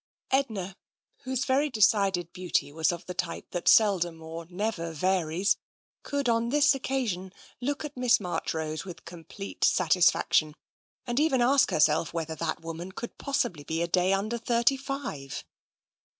Edna, whose very decided beauty was of the type that seldom or never varies, could on this occasion I I30 TENSION look at Miss Marchrose with complete satisfaction, and even ask herself whether that woman could pos sibly be a day under thirty five.